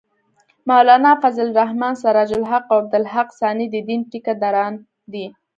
مولانا فضل الرحمن ، سراج الحق او عبدالحق ثاني د دین ټېکه داران دي